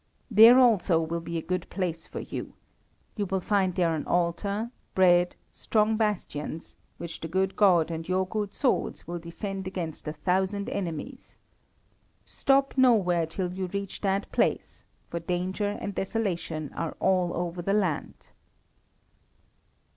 There also will be a good place for you. You will find there an altar, bread, strong bastions, which the good God and your good swords will defend against a thousand enemies. Stop nowhere till you reach that place, for danger and desolation are over all the land."